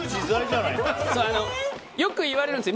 よく言われるんですよ。